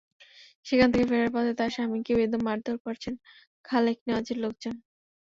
সেখান থেকে ফেরার পথে তাঁর স্বামীকে বেদম মারধর করেছেন খালেক নেওয়াজের লোকজন।